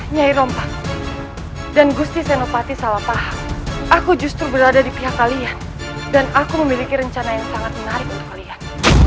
nyai rompa dan gusti senopati salahpaha aku justru berada di pihak kalian dan aku memiliki rencana yang sangat menarik untuk kalian